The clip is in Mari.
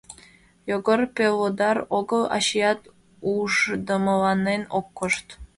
Йогор пелодар огыл, ачият ушдымыланен ок кошт.